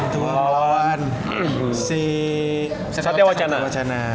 tuah lawan si sate wacana